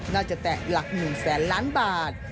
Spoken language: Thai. น่าจะแตะหลัก๑๐๐ล้านบาท